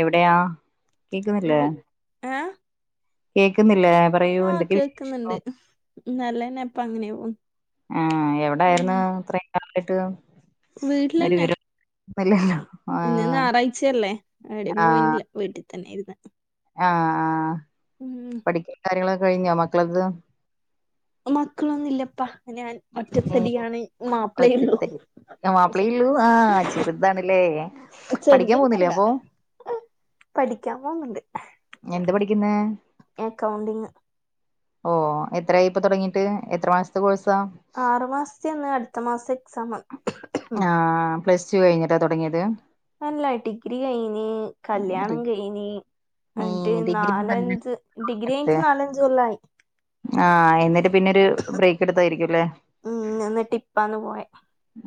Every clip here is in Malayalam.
എവിടെയാ ഏ കേക്കുന്നില്ല ആഹ കേക്കുന്നുണ്ട് നല്ലന്നെ അപ്പ അങ്ങനെ പോും ആഹ എവിടായിന്ന് ഇത്രയും കാലായിട്ട് വീട്ടിലന്നെ അല്ലല്ല ഇന്ന് ഞായറാഴ്ചയല്ലേ എവിട പോയിില്ല വീട്ടിൽ തന്നൊയിരുന്നു ആഹ ആ പഠിക്കെ കാര്യങ്ങളൊക്കെ കഴിഞ്ഞോ മക്കളത്? മക്കളൊന്നില്ലപ്പാ ഞാൻ ഒറ്റത്തടിയാണ് മാപ്പിളേയുള്ളൂ മാപ്പിളേയിള്ളൂ ആഹ ചെറുതാണല്ലേ പഠിക്കാൻ പോന്നില്ലേ ചെറുതൊന്നല്ല അപ്പോ? പഠിക്കാൻ പോന്നുണ്ട് എന്ത്‌ പഠിക്കുന്നെ ഓ എത്രായി ഇപ്പൊ തൊടങ്ങീട്ട് എത്ര മാസത്തെ കോഴ്‌ ആറു മാസത്തേന്ന് അടുത്ത മാസം എക്സാമ ആഹ പ്ലസ് ടു കഴിഞ്ഞിട്ടാ തൊടങ്ങിയത് അല്ല ഡിഗ്രി കഴിഞ്ഞ് കല്യാണം ഡി- കഴിഞ്ഞി അട്ട് ഈ ഡിഗ്രി നാലഞ്ച് ഡിഗ്രീക്ക് നാലഞ്ച് കൊല്ലായി ആഹ എന്നിട്ട് പിന്നെരു ബ്രേക്ക് എടുത്തായിരിക്കുംല്ലേ ഉം എന്നിട്ട് ഇപ്പാന്ന് പോയ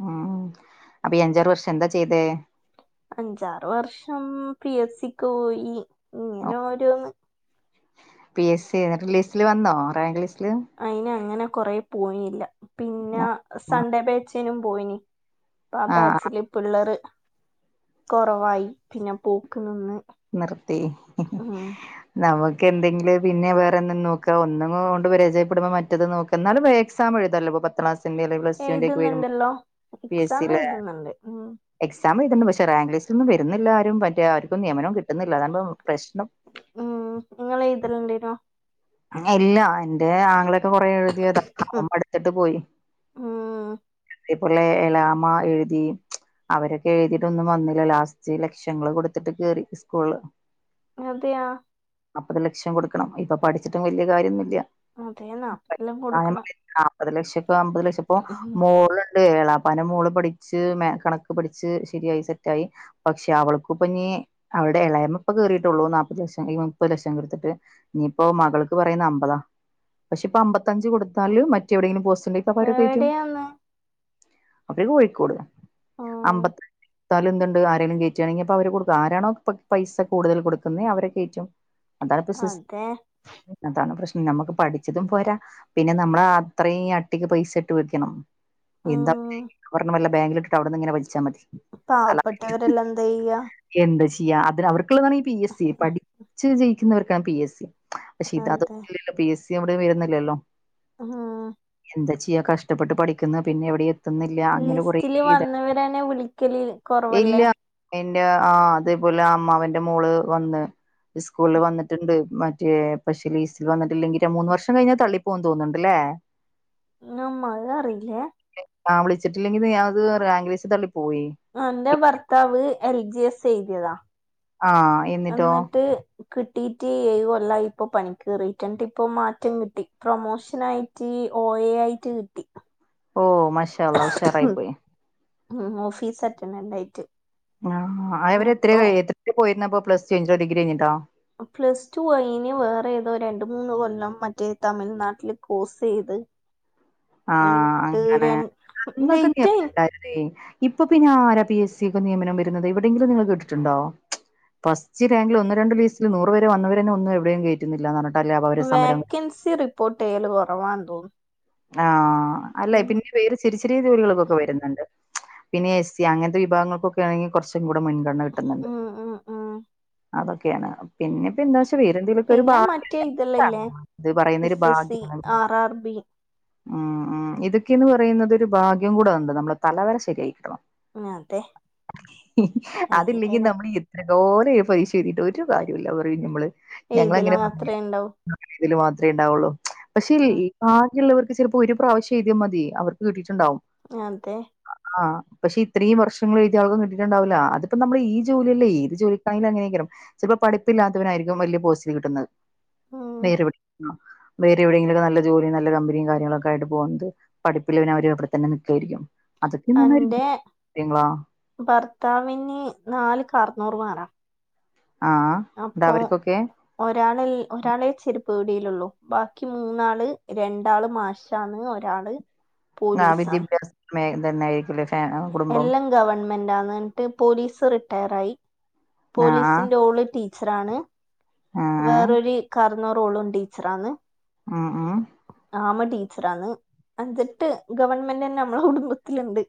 ഉം അപ്പ ഈ അഞ്ചാറ് വർഷം എന്താ ചെയ്തേ അഞ്ചാറ് വർഷം പി എസ് സിക്ക് പോയി ഇങ്ങനെ ഓരോന്ന് പി എസ് സി എന്നിട്ട് ലിസ്റ്റില് വന്നോ റാങ്ക് ലിസ് അയിന് അങ്ങന കൊറേ പോയില്ല പിന്ന സൺഡേ ബാച്ചിനും പോയിനി ആ ആഹ് ബാച്ചില് പിള്ളര് കൊറവായി പിന്നെ പോക്ക് നിന്ന് നിർത്തി ഉം നമ ക്ക് എന്തെങ്കില് പിന്നെ വേറെ എന്നും നോക്ക ഒന്നും കൊണ്ട് പരാജയപ്പെടുമ്പോ മറ്റത് നോക്ക എന്നാലും എക്സാം എഴുതാല്ലോപ്പ പത്താളാസ് റ്റന്റെലേം പ്ലസ്ടുവിന്റേംക്കെ വരുമ്പോ എഴുതുന്നുണ്ടല്ലോ പി എസ് എക്സാം സിലെ എഴുതുന്നുണ്ട് ഉം എക്സാമ് ണ്ട് പക്ഷേ റാങ്ക്ലിസ്‌റ്റൊന്നും വരുന്നില്ലാരും പറ്റേ ആര്ക്കും നിയമനോം കിട്ടുന്നില്ല അതാണിപ്പോ പ്രശ്നം ഉം നിങ്ങളെഴുതലുണ്ടേനോ? ഇല്ലാ എന്റെ ആങ്ങളേക്കെ കൊറെ എഴുതിയതാ അവമടുത്തിട്ട് പോയി ഉം ഈപുള്ളെ എലാമ്മ എഴുതി അവരൊക്കെ എഴുതീട്ടൊന്നും വന്നില്ല ലാസ്റ്റ് ലക്ഷങ്ങള് കൊടുത്തിട്ട് കേറി സ്കൂള് അതെയാ നാപ്പത് ലക്ഷം കൊടുക്കണം ഇപ്പ പഠിച്ചിട്ടും വല്യ കാര്യോന്നില്ല്യ അതേന്നാ എല്ലാം കൊടുക്കണം പ്പത് ലക്ഷപ്പ അമ്പത് ലക്ഷം ഇപ്പോ ഉം. മോള് എളാപ്പാന്റ മോള് പഠിച്ച് മാ കണക്ക് പഠിച്ച് ശരിയായി സെറ്റായി പക്ഷെ അവൾക്കുപന്യേ എഹ് അവിടെ എളയമ്മപ്പ കേറീട്ടുള്ളൂ നാപ്പത് ലക്ഷം മുപ്പത് ലക്ഷം കൊടുത്തിട്ട് ഇനീ പ്പോ മകൾക്ക് പറയുന്ന അമ്പതാ പക്ഷിപ്പം അമ്പത്തഞ്ച് കൊടുത്താല് മറ്റെവിടേങ്കിലും പോ [unintelligible] എവിടെയാന്ന് ഉം ന്താലും എന്തുണ്ട് ആരേലും കേറ്റിയാണെങ്കിപ്പം അവര് കൊടുക്കും ആരാണോ പൊ പൈസ കൂടുതൽ കൊടുക്കുന്നെ അവരെ കേറ്റും അതെ അതാണ് പ്രശ്നം നമ്മക്ക് പഠിച്ചതും പോരാ പിന്നെ നമ്മള അത്രയും അട്ടിക്ക് പൈസ ഇട്ട് വക്കണം എന്താ ഉം ഒരെണ്ണം വല്ല ബാങ്കിലിട്ടിട്ട് അവിടുന്ന് ഇങ്ങനെ വലിച്ചാ മതി അല്ല പാവപ്പെട്ടവരെല്ലാം എന്തായ്യ? എന്താ ചെയ്യാ അതിന് അവർക്കുള്ളതാണീ പി എസ് സി പഠിച്ച് ജയിക്കുന്നോർക്കാണ് പി എസ് സി പക്ഷെ ഇതാത് അതെ ഇല്ലല്ലോ പി എസ് സി അവിടെ വരുന്നില്ലല്ലോ ആഹ എന്താ ചെയ്യാ കഷ്ടപ്പെട്ട് പഠിക്കുന്ന പിന്നെ എവിടെ എത്തുന്നില്ല അങ്ങനെ കൊറേ ലിസ്റ്റില് ഇത് വന്നവരന്നെ വിളിക്കല് കൊറവല്ലേ? ന്റെ ആ അതേപോലെ അമ്മാവന്റെ മോള് വന്ന് സ്കൂളില് വന്നിട്ടുണ്ട് മറ്റേ പെഷ്യല് ഈസ്റ്റില് വന്നിട്ടില്ലെങ്കി ര മൂന്ന് വർഷം കഴിഞ്ഞാ തള്ളിപ്പോം തോന്നുണ്ടല്ലേ? ആഹ മഴ അറിയില്ലേ? ആ വിളിച്ചിട്ടില്ലെങ്കി ഇത് അത് റാങ്ക് ലിസ്റ്റ് തള്ളി പോയി എന്റെ ഭർത്താവ് എൽ ജി എസ് എഴുതിയതാ ആഹ എന്നിട്ടോ? എന്നിട്ട് കിട്ടീട്ട് ഏഴ് കൊല്ല ഇപ്പൊ പണി കറിട്ടണ്ടിട്ട ഇപ്പ മാറ്റം കിട്ടി പ്രൊമോഷൻ ആയിട്ട് ഓയയിട്ട് കിട്ടി ഓ മഷാല അ ഹുഷറായി പോയി ഉം ഓഫീസ് അറ്റന്ന ഉണ്ടായിട്ട് ആ അവര് എ പോയിരുന്നപ്പോ പ്ലസ് ടു കഴിഞ്ഞട്ടോ ഡിഗ്രി കഞ്ഞിട്ടോ പ്ലസ് ടു അനി വേറെ ഏതോ രണ്ട മൂന്ന് കൊല്ലം മറ്റേ തമിഴ്നാട്ടിൽ കോഴ്സ് ചെയ്ത് ഉ ആഹ! അങ്ങനെ അന്നൊക്കെ ലേറ്റായി നിയണ്ടായിേ ഇപ്പൊ പിന്നെ ആരാ പി എസ് സിക്കെ നിയമനം വരുന്നത് എവിടെയങ്കിലും നിങ്ങൾ കേട്ടിട്ടുണ്ടോ? ഫസ്റ്റ് റാങ്കിൽ ഒന്ന് രണ്ട് ലിസ്റ്റില് നൂറുേരെ വന്നവരന്നെ ഒന്നും എവിടെയും കയറ്റുന്നില്ല വാക്കന്സി റിപ്പോര്ട്ട് ഏല് കുറവാ തോന്ന ആഹ! അല്ല പിന്നെ വേര് ചിരി ചിറിയ ജോലികൾക്കൊക്കെ വരുന്നുണ്ട് പിന്നെ എ സിയ അങ്ങനത്തെ വിഭാഗങ്ങൾക്കൊക്കെ ആണെങ്കിൽ കുറച്ചും കൂടെ മുൻഗണന കിട്ടുന്നുണ്ട് ഉം ഉം ഉം അതൊക്കെ പിന്നെപ്പ എന്താ പക്ഷെ വേരെന്തെങ്കിലൊക്ക ഒരു പിന്നെ ഭാഗ്യ മറ്റേ ഇതെല്ലാം ഇല്ലേ ഇത് പറയുന്നൊ ഒരു എസ് എസ് സി ഭാഗ്യണ ആർ ആർ ബി ഉം ഉ ഇതൊക്കെയന്ന് പറയുന്നത് ഒരു ഭാഗ്യം കൂടെണ്ട് നമ്മള് തലവര ശരിയക്കണം അതെ അതില്ലെങ്കിൽ എല്ലനും നമ്മൾ എത്ര- ോലെ പരിശഴതിട്ട് ഒരു കാര്യമല്ല പറയും നമ്മള് ഞങ്ങങ്ങനെ എഴുതലും പറ- അത്രേ ഉണ്ടാവും ഇതിൽ മാത്രമേ ഉണ്ടാവുള്ളൂ പക്ഷെ ഉം കാലുള്ളവർക്ക് ചിലപ്പോ ഒരു പ്രാവശ്യം എഴതിയ മതി അവർക്ക് കിട്ടിയിട്ടുണ്ടാവും ആ അതെ. ആ പക്ഷെ ഇത്രയും വർഷങ്ങ എഴുതിയാൾക്കും കിട്ടുണ്ടാവില്ല അതിപ്പ നമ്മ ഈ ജോലിയല്ല ഏത് ജോലിക്കായൊലും അങ്ങനക്കണം ചിലപ്പോ പഠിപ്പില്ലാത്തവനായിരിക്കും വലിയ പോസ്റ്റില് കിട്ടുന്നത് ഉം വേറെ വേറെ എവിടെെങ്കിലൊക്കെ നല്ല ജോലി നല്ല കാര്യങ്ങളൊക്കെ ആയിട്ട് പോക പഠപ്പിൽവന അവര് ഇവിടെന്നെ നിക്കായിരിക്കും അതൊക്കെന്നന്നെ അന്റെ കാര്യങ്ങള- ഭർത്താവിന് നാല് കാർണൂർ വേറാ ആ ന്നട്ട് അപ്പൊ അവർക്കൊക്കെ ഒരാള ഒരാളെ ചെരുപ്പ് കൂടി ള്ള ബാക്കി മൂന്നാള് രണ്ടാള് മാശന്ന് ഒരാള് ആ പോലീസാണ് വിദ്യാഭ്യാസം തന്നായിരിക്ക എല്ലാം ഗവൺമെന്റ്ാന്ന്ിട്ട് പോലീസ് റിട്ടയർായി ആ ആ പോലീസിന്റെ ഓള് ടീച്ചറാണ് ആ ആ വേറൊരു- അറുന്നൂറോളും ടീച്ചറന്ന് ആഹ! ആഹ ആമ ടീച്ചറ ആന്ന് അഞ്ചെട്ട് ഗവൺമെന്റ് തന്നെ നമ്മള കുടുംബത്തിലുണ്ട്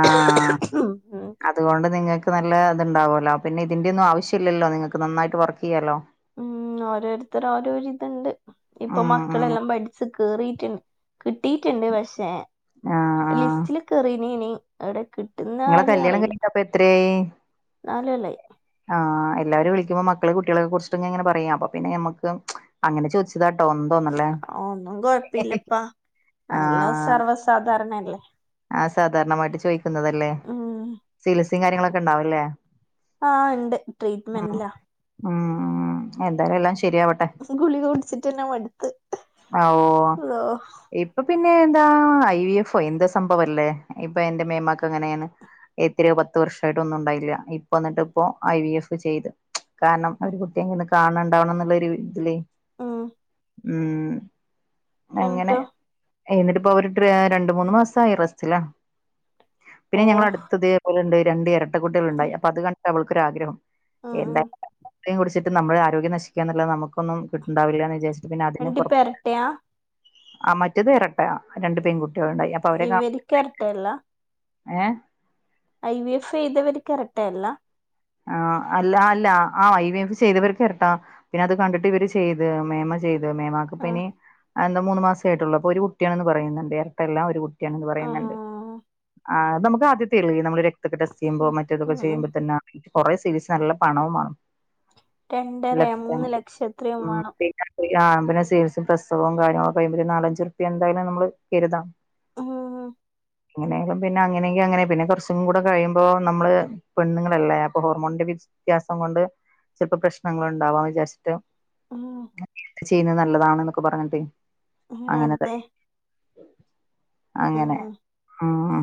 ആഹ ഉം അതുകൊണ്ട് നിങ്ങൾക്ക്- ന നല്ല ഇതുണ്ടാവകുമോ പിന്നെ ഇതി്റെ ഒന്നും ആവശ്യമില്ലല്ല നിങ്ങക്ക്ന്നായിട്ട് വർക്ക് ചെയ്യാലോ ഉം ഓരോരുത്തർ ഓരോരി ഇതുണ്ട് ഇപ്പൊ ഉം ഉം മക്കളെല്ലാം പഠിച്ചി- കിട്ടട്ടുണ്ട് പക്ഷേ ആ ആ ലിസ്റ്റ അവിടെ കിട്ട- നിങ്ങളെ കല്ല്യാണം കഴിട്ടപ്പൊ എത്രയായി? നാല് കൊല്ലായി ആഹ എല്ലാവും വിളിക്കുമ്പോൾ മക്കള് കുട്ടികളക്കെ കുറിച്ചു ഇങ്ങനെ പറയാ അപ്പ പിന്നെ നമക്ക് അങ്ങനെെച്ചതട്ട ട്ട ഒന്തോന്നല്ലേ ഒന്നും കൊഴപ്പില്ലപ്പാ എല്ലാം ആഹ! സർവ്വസാധാരണല്ലേ ആ സാധാരണമായിട്ട് ചോയിിക്കുന്നതല്ലേ ഉം സീൽസും കാര്യങ്ങളൊക്കെ ഉണ്ടാവല്ലേ ആഹ! ഉണ്ട് ട്രീറ്റ്മെന്റ്ല്ല ഉം എന്തായാലും എല്ലാം ശരിയാവട്ടെ ഗുളിക കുടിച്ചിട്ട് തന്നെ മടുത്ത് ഓ അള്ളോ ഇപ്പ പിന്നെ പിന്നെ എന്താ ഐ വി എഫോ എന്താ സംഭവല്ലേ ഇപ്പൊ എറെ മേമാക്ക് എങ്ങനെയാണ് എത്രയോ പത്ത് വർഷ ആയിട്ട ഒന്നും ഉണ്ടായില്ല ഇപ്പ വന്നിട്ട് ഇപ്പോ ഐ വി എഫ് ചെയ്ത് കാരണം അവര് കുട്ടിയെങ്ക ഒും കാണണ്ടാവണം എന്നുള്ള ഒരു ഇതില്േ ആ ഉം അങ്ങനെ, എന്നിട്ടിപ്പൊ അവര് ത്ര രണ്ടു മൂന്ന് മാസായി റസ്റ്റിലാ. ഓ പിന്നെ ഞങ്ങള അടുത്തതേപോലെണ്ട് രണ്ട് എരട്ടക്കുട്ടികളുണ്ടായി അപ്പൊ അത് കണ്ടവൾക്കൊരാഗ്രഹം. ഉം എന്താ ഉം [inaudible] കുടിച്ചിട്ട് നമ്മളെ ആരോഗ്യം നശിക്കാ എന്നല്ലാതെ നമുക്കൊന്നും കിട്ടുണ്ടാവില്ലന്ന് വിചാരിച് പിന്നെ അതിനപ്പറം ട്ടയാ ആ മറ്റേത് എരട്ടയാ രണ്ടു പെങ്കുട് ഇവരിക്കെരട്ടയല്ല? ഏ ഐ വി എഫ് ചെയ്തവര് കറക്റ്റാ എല്ലാം? ആ അല്ല അല്ല ആ ഐ വി എഫ് ചെയ്തവർക്ക് ഇരട്ടാ പിന്നെ അത് കണ്ടിട്ട് ഇവര് ചെയ്ത്, മേമ ചെയ്ത്. ആഹ് മേമാക്കിപ്പിനി എന്താ മൂന്നു മാസെ ആയിട്ടുള്ളു അപ്പൊ ഒരു കുട്ടിയാണന്ന് പറയുന്നുണ്ട് എരട്ടയല്ല ഒരുകു ട്ട്യാണെന്നു പറയുന്നണ്ട് ആഹ് ആ നമുക്ക് ആദ്യത്തെയൊള്ളൂ ഈ നമ്മളു രക് തോക്കെ ടെസ്റ്റ് ചെയ്യുമ്പോ ഉം മറ്റേതൊക്കെ ഉം ചെയ്യുമ്പോ തന്നെ കുറെ സീരീസ് നല്ല പണവുമാണ് രണ്ടരയാ മൂന്ന് ലക്ഷങ്ങള് ലക്ഷത്രയും വേണം ആ പിന്നെ സേസും പ്രസവവും കാര്യങ്ങളൊക്കെയുമമ്പത്തേക്ക് നാലഞ്ചുറുപ്പി എന്തായാലും നമ്മള് കരുതാം. ആ അങ്ങനെയും പിന്നെ അങ്ങനെങ്കി അങ്ങനെ പിന്നെ കുറച്ചും കൂടെ കഴ്യുമ്പോ നമ്മള് പെണ്ണുങ്ങള് അല്ലേ അപ്പൊ ഹോർമോണിന്റെ വ്യത്യാസം കൊണ്ട് ചിലപ്പോ പ്രശ്നങ്ങളുണ്ടാവും അഹ് വിചാരിച്ചിട്ട് ആ ചെയ്യുന്നത് നല്ലതാണെന്നൊക്കെ പറഞ്ഞട്ടെ ആ അതെ അങ്ങനെ ഉം ഉം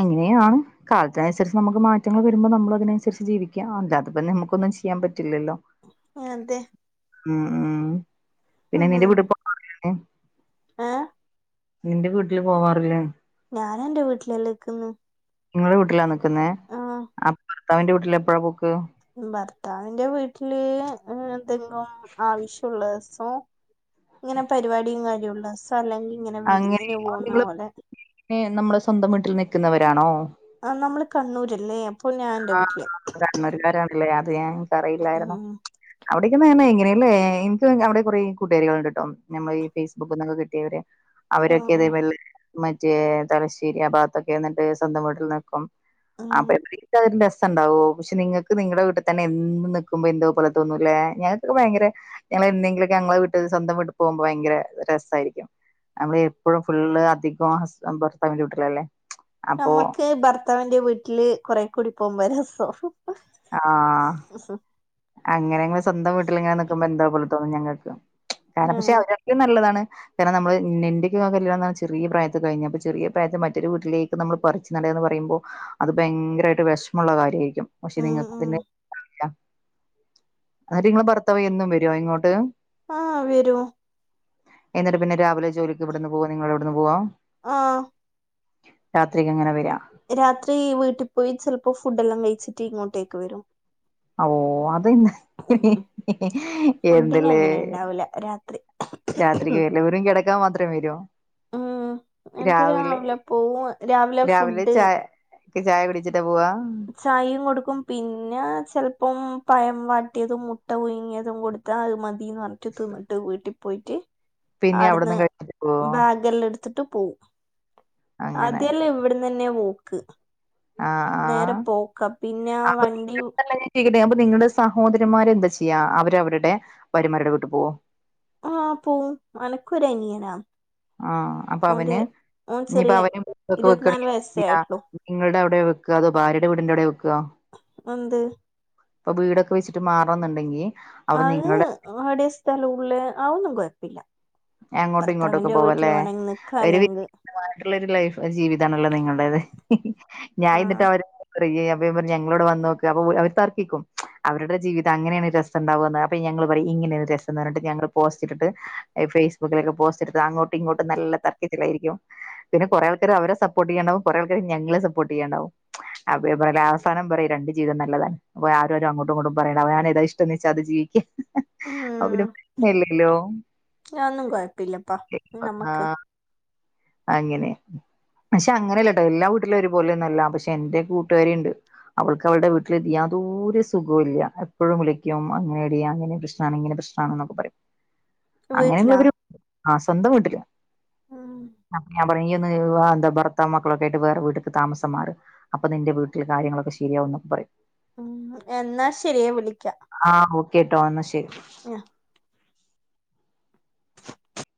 അങ്ങനെയാണ് കാലത്തിനുസരിച്ച് നമുക്ക് മാറ്റങ്ങൾ വരുമ്പോൾ നമ്മൾ അതിനനുസരിച്ച് ജീവിക്കാം അല്ലാതിപ്പ നമുക്കൊന്നും ഒന്നും ചെയ്യാൻ പറ്റി റ്റില്ലല്ലോ അതെ ഉം ഉം പിന്നെ നിന്റെ ഉം വീടുപ്പ [unintelligible] എ ഏഹ് നിന്റെ വീട്ടില് പോവാറില്ലേ? ഞാനെന്റെ വീട്ടിലല്ലേ ക്കുന്നെ നിങ്ങളുടെ വീട്ടിലാ നിക്കുന്നേ അപ്പ ഭർത്താവിന്റെ വീട്ടിലെപ്പഴാ പൊക്ക്? ഭർത്താവിന്റെ വീട്ടില് എന്തെങ്കിലും ആവശ്യുള്ളദീസം. ഓ ഇങ്ങനെ പരിപാടിയും കാര്യള്ളസ്സലെങ്കി അങ്ങനെ അപ്പ നിങ്ങള് [unintelligible] നമ്മളെ സ്വന്തം വീട്ടിൽ നിക്കുന്നവരാണോ അ നമ്മള് കണ്ണൂരല്ലേ. അപ്പൊ ഞാൻ എന്റെ ആ വീട്ടില് കണ്ണൂർകാരണല്ലേ അത് ഞാൻ എനക്ക് അറിയില്ലായിരുന്നു ഉം അവിടെ പിന്നെ എന്നാ ഇങ്ങനെയല്ലേ എനിക്ക് അവിടെ കുറെ കുട്ടുകാരികള്ണ്ട്ട്ടോ നമ്മൾ ഈ ഫേസ്ബുക്ക് നിന്നൊക്കെ കിട്ടിയവര് ഉം അവരൊക്കെതേപോലെ മറ്റേ തലശ്ശേരി ആ ഭാഗത്തൊക്കെ എന്നിട്ട് സ്വന്തം വീട്ടിൽ നിൽക്കും. അ ഉം [unintelligible] രസണ്ടാവ്വോ പക്ഷെ നിങ്ങക്ക് നിങ്ങടെ വീട്ടിൽ തന്നെ എന്നും നിൽക്കുമ്പോ എന്തോ പോലെ തോന്നൂല്ലേ ഞങ്ങക്ക ഭയങ്കര ഞങ്ങളെന്നെങ്കിലുമൊക്കെ ഞങ്ങളെ വീട്ടിൽ, സ്വന്തം വീട്ടി പോകുമ്പോ ഭയങ്കര രസായിരിക്കും. നമ്മള് എപ്പഴും ഫുള്ള് അധികം ഹസ് ഭർത്താവിന്റെ വീട്ടിലല്ലേ. അപ്പോ നമ്മക്ക് ഭർത്താവിന്റെ വീട്ടില് കുറെ കൂടി പോകുമ്പാ രസം. ആ അങ്ങനെങ്ങളെ സ്വന്തം വീട്ടിലിങ്ങനെ നിക്കുമ്പോ എന്തോ പോലെ തോന്നും ഞങ്ങൾക്ക്. കാര പക്ഷെ ആഹ് അവരക്കയും നല്ലതാണ് കാരണം നമ്മള് എന്റൊക്കെ കല്യാണം ചെറിയ പ്രായത്ത് കഴിഞ്ഞു അപ്പ ചെറിയ പ്രായത്തി മറ്റൊരു വീട്ടിലേക്ക് നമ്മള് പറിച്ച് നടു വാന്ന് പറയുമ്പോ അത് ഭയങ്കരായിട്ട് വെഷമൊള്ള കാര്യായിരിക്കും. പക്ഷെ ഉം നിങ്ങക്ക് ഉം പിന്നെ [unintelligible] നിങ്ങളെ ഭർത്താവെന്നും വര്വോ ഇങ്ങോട്ട്? ആ വരും. എന്നിട്ട് പിന്നെ രാവിലെ ജോലിക്ക് ഇവിടുന്ന് പോവോ നിങ്ങടവിടുന്ന് പോവോ? അ രാത്രിക്ക് എങ്ങന വരാ രാത്രി വീട്ടി പോയി ചെലപ്പം ഫുഡ് എല്ലാം കഴിച്ചിട്ട് ഇങ്ങോട്ടേക്ക് വരും ഓ അത് എന്ത് [unintelligible] ഫുഡിന് എന്തലേ അങ്ങനെ ഇണ്ടാവൂല രാത്രി രാത്രിക്ക് എല്ലാവരും കിടക്കാൻ മാത്രേ വരുവോ ഉം എന്നിട്ട് രാവിലെ പോവും രാവിലെ ഫുഡ് ചായ ചായ കുടിച്ചിട്ട പോവോ ചായയും കൊടുക്കും പിന്നെ ചെലപ്പം പയം വാട്ടിയതും മുട്ട പുഴുങ്ങിയതും കൊടുത്താ അത് മതീന്ന് പറഞ്ഞിട്ട് തിന്നിട്ട് വീട്ടി പോയിട്ട് പിന്നെ ആട്ന്ന് അവിടന്ന് കഴിച്ചിട്ട് പോവോ ബാഗ എല്ലാം എടുത്തിട്ട് പോവും അങ്ങനെ ആദ്യല്ലാ ഇവിട്ന്നന്നെയ പോക്ക് ആ ആ നേരെ പോക്കാ പിന്നെ ആ അപ്പ വണ്ടി [unintelligible] ചോയ്ക്കട്ടേ [unintelligible] നിങ്ങള് സഹോദരന്മാരെ എന്താ ചെയ്യാ അവരവരുടെ ഭാര്യമാരുടെ വീട്ടി പോവോ ആ പോവും അനക്കും ഒരനിയനാ ആ അപ്പം അവന് ഇനിയിപ്പം ചെറിയ അവനും വീടൊക്കെ ഇരുപത്തിനാല് വെക്കാണെങ്കിൽ എന്താ വയസ്സേ ചെയ്യാ ആയിട്ടുള്ളൂ നിങ്ങൾടെ വെക്കാ അതോ ഭാര്യയുടെ വീടിന്റവിടയാ വെക്കുവാ അന്ത് ഇപ്പം വീടൊക്കെ വെച്ചിട്ട് മാറണോന്നൊണ്ടെങ്കി അത് അവിടെയാ സ്ഥലം ഉള്ളേ അതൊന്നും കൊഴപ്പില്ല അങ്ങോട്ടും ഇങ്ങോട്ടൊക്കെ ഭർത്താവിൻ്റെ വീട്ട്ല് വേണോങ്കി നിക്കാലങ്ക് ഇള്ളൊരു ലൈഫ് ജീവിതാണല്ലോ നിങ്ങൾടേത് ഞാൻ ആ ഇന്നട്ട് അവര് [unintelligible] അമ്മയും പറഞ്ഞ് ഞങ്ങളവിടെ വന്നോക്ക് അപ്പൊ അവര് തർക്കിക്കും അവരുടെ ജീവിതം അങ്ങനെയാണ് രസംണ്ടാവാന്ന് [unintelligible] അപ്പൊ ഞങ്ങള് പറിം. ഇങ്ങനെയാ രസംന്ന് പറഞ്ഞിട്ട് ഞങ്ങള് പോസ്റ്റ് ഇട്ടിട്ട് ഈ ഫേസ്ബുക്കിലൊക്കെ പോസ്റ്റ് എടുത്ത് അങ്ങോട്ടും ഇങ്ങോട്ടും നല്ല തർക്കത്തിലായിരിക്കും പിന്നെ കൊറേ ആൾക്കാര് അവരെ സപ്പോർട്ടെയ്യണം കൊറേ ആൾക്കാര് ഞങ്ങളെ സപ്പോർട്ടെയ്യാൻ ഇണ്ടാവും അപ്പ ഞാ പറിം അവസാനം പറയും രണ്ട് ജീവിതം നല്ലതാണ് അപ്പൊ ആരും ആരു അങ്ങോട്ടും ഇങ്ങോട്ടും പറയണ്ട അവനാന് ഏത ഇഷ്ടംന്ന് വെച്ചാ അത് ജീവിക്ക് അവലും ഉം ല്ലെല്ലെല്ലോ അതൊന്നും കൊഴപ്പില്ലപ്പാ നമ്മക്ക് ഉം പക്ഷെ അങ്ങനെയല്ലട്ടോ എല്ലാ വീട്ടിലും ഒരുപോലൊന്നല്ല പക്ഷെ എന്റെ കൂട്ടുകാരി ഇണ്ട് അവൾക്ക് അവൾടെ വീട്ടില് ഇതി യാതോരു സുഖൊല്ല്യ എപ്പഴും വിളി [unintelligible] ക്കും അങ്ങനെടി അങ്ങനെ പ്രശ്നാണ് ഇങ്ങനെ പ്രശ്നാണ് ഇന്നൊക്കെ പറിം അങ്ങനെ വീട്ടിലാ ഇള്ളവരു ആഹ് സ്വന്തം വീട്ടില ഉം പൊണങ്ങീ അന്ന് [unintelligible] എന്താ ഭർത്താവും മക്കളൊക്കെ ആയിട്ട് വേറെ വീട്ടിക്ക് താമസം മാറഹ് അപ്പം നിന്റെ വീട്ടില് കാര്യങ്ങളൊക്കെ ശരിയാവ ന്നൊക്കെ പറിം ഉം എന്നാ ശെര്യേ [unintelligible] വിളിക്ക കെട്ടോ എന്നാ ശെരി ആഹ്